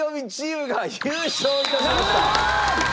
すごーい！